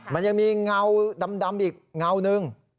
มันยังมีเงาดำอีกเงาหนึ่ง